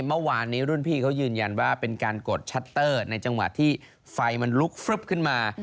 เมื่อวานนี้รุ่นพี่เขายืนยันว่าเป็นการกดชัตเตอร์ในจังหวะที่ไฟมันลุกฟลึบขึ้นมา